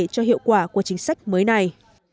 cho hiệu quả của chính sách mới này